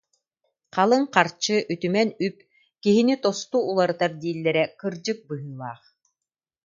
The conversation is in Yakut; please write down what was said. Халыҥ харчы, үтүмэн үп киһини тосту уларытар дииллэрэ кырдьык быһыылаах